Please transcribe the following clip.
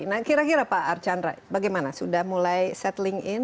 nah kira kira pak archandra bagaimana sudah mulai setling in